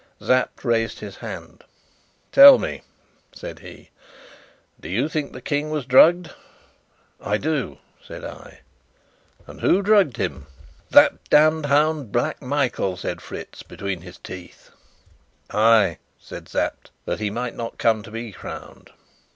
Sapt raised his hand. "Tell me," said he. "Do you think the King was drugged?" "I do," said I. "And who drugged him?" "That damned hound, Black Michael," said Fritz between his teeth. "Ay," said Sapt, "that he might not come to be crowned.